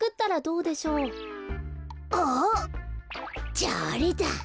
じゃああれだ。